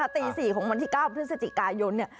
ตี๔ของวันที่๙พฤศจิกายน